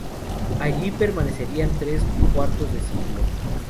Allí permanecerían tres cuartos de siglo.